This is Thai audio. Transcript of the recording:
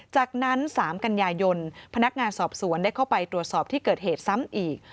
จากนั้น๓กันยายนพนักงานสอบสวนได้เข้าไปตรวจสอบที่เกิดเหตุซ้ำอีก